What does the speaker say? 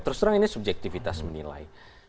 terus terang ini subjektivitas menilai